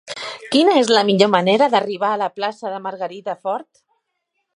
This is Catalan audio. Quina és la millor manera d'arribar a la plaça de Margarida Fort?